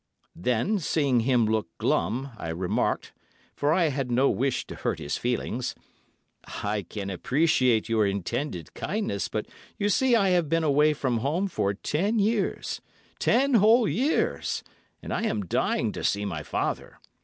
Then seeing him look glum, I remarked, for I had no wish to hurt his feelings, 'I can appreciate your intended kindness, but you see I have been away from home for ten years—ten whole years, and I am dying to see my father.